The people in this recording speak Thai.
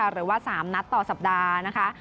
หรือว่า๓นัดต่อสัปดาห์นะคะ